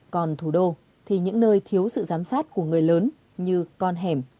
còn thủ đô thì những nơi thiếu sự giám sát của người lớn như con hẻm